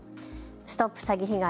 ＳＴＯＰ詐欺被害！